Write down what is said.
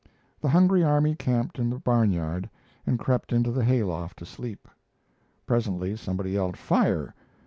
The hungry army camped in the barnyard and crept into the hay loft to sleep. Presently somebody yelled "Fire!"